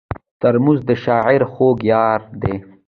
ترموز د شاعر خوږ یار دی.